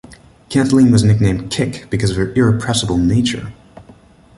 Kathleen was nicknamed "Kick" because of her "irrepressible nature".